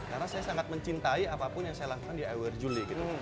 karena saya sangat mencintai apapun yang saya lakukan di iwer juli